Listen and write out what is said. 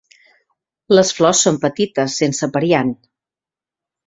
Les flors són petites, sense periant.